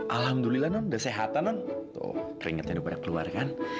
alhamdulillah udah sehatan tuh keringetnya udah keluar kan